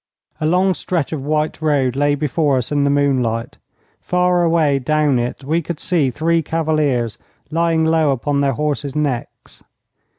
A long stretch of white road lay before us in the moonlight. Far away down it we could see three cavaliers, lying low upon their horses' necks.